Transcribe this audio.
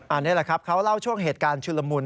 อันนี้แหละครับเขาเล่าช่วงเหตุการณ์ชุลมุน